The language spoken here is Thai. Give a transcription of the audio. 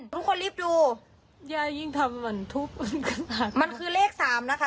ทุกคนรีบดูอย่ายิ่งทำเหมือนทูปมันคือเลขสามนะคะ